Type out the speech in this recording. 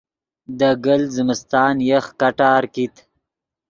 دے گلت زمستان یخ کٹار کیت